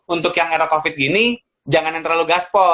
untuk yang era covid gini jangan yang terlalu gaspol